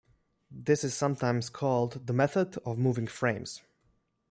This is sometimes called the method of moving frames.